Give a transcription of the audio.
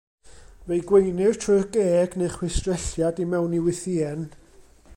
Fe'i gweinir trwy'r geg neu chwistrelliad i mewn i wythïen.